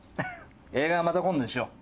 映画はまた今度にしよう。